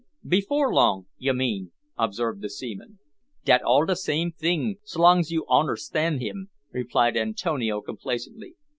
"Before long, you mean," observed the seaman. "Dat all same ting, s'long's you onerstand him," replied Antonio complacently.